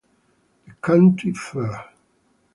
The County Fair